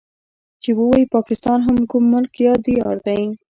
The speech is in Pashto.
چې ووايي پاکستان هم کوم ملک يا ديار دی.